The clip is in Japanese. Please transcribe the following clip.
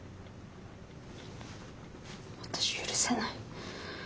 私許せない。